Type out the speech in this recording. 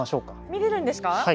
見れるんですか？